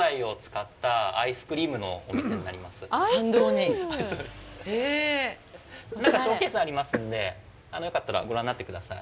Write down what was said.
中にショーケースがありますのでよかったらご覧になってください。